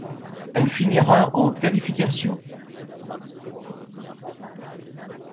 Elle finira en qualifications.